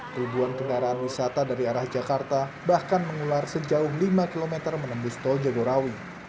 keribuan kendaraan wisata dari arah jakarta bahkan mengular sejauh lima km menembus tol jagorawi